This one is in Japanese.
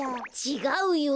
ちがうよ。